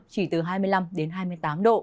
chỉ từ hai mươi năm hai mươi tám độ